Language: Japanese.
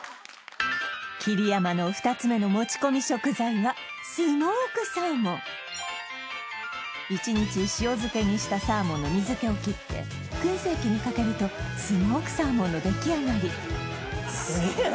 桐山の２つ目の持ち込み食材はスモークサーモン１日塩漬けにしたサーモンの水けを切って燻製器にかけるとスモークサーモンの出来上がりすげえな！